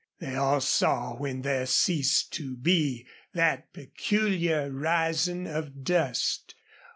They all saw when there ceased to be that peculiar rising of dust.